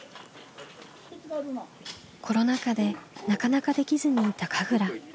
コロナ禍でなかなかできずにいた神楽。